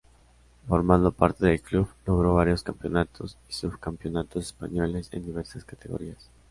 Formando parte del club, logró varios campeonatos y subcampeonatos españoles en diversas categorías.